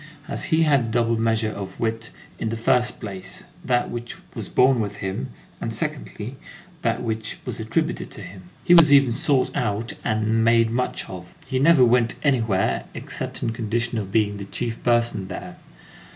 As he had a double measure of wit, in the first place, that which was born with him, and secondly, that which was attributed to him, he was even sought out and made much of. He never went anywhere except on condition of being the chief person there.